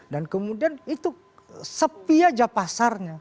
dan kemudian itu sepi aja pasarnya